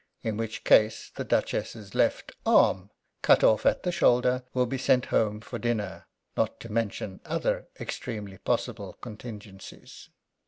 In which case the Duchess's left arm, cut off at the shoulder, will be sent home for dinner not to mention other extremely possible contingencies.